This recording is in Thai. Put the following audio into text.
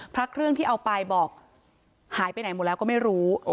พระเครื่องที่เอาไปบอกหายไปไหนหมดแล้วก็ไม่รู้